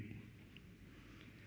ini adalah tahapan yang terakhir